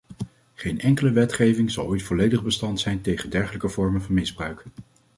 Geen enkele wetgeving zal ooit volledig bestand zijn tegen dergelijke vormen van misbruik.